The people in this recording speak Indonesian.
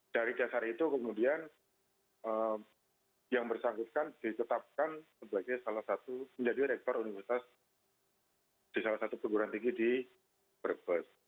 dari dasar itu kemudian yang bersangkutan ditetapkan sebagai salah satu menjadi rektor universitas di salah satu perguruan tinggi di brebes